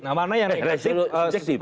nah mana yang negatif